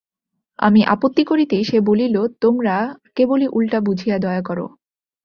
আমি আপত্তি করিতেই সে বলিল, তোমরা কেবলই উলটা বুঝিয়া দয়া কর।